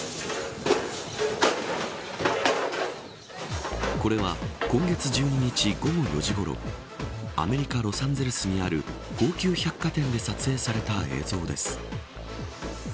ニトリこれは今月１２日午後４時ごろアメリカ・ロサンゼルスにある高級百貨店で撮影された映像です。